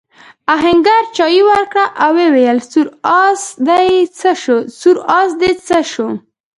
آهنګر چايي ورکړه او وویل سور آس دې څه شو؟